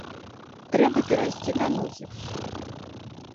Трэба перайсці на ногі!